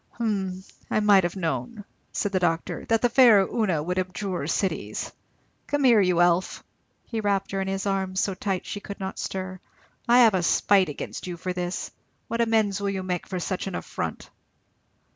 "Hum! I might have known," said the doctor, "that the 'faire Una' would abjure cities. Come here, you Elf!" and he wrapped her in his arms so tight she could not stir, "I have a spite against you for this. What amends will you make me for such an affront?"